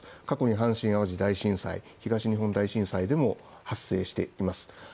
過去に阪神淡路大震災東日本大震災でも発生しています